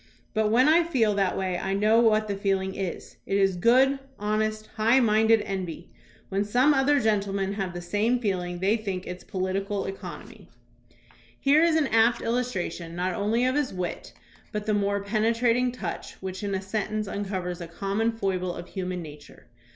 But when I feel that way I know what the feeling is. It is good, honest, high minded envy. When some other gentlemen have the same feeling they think it's political economy. THOMAS BRACKETT REED 203 Here is an apt illustration not only of his wit but the more penetrating touch which in a sentence un covers a common foible of human nature.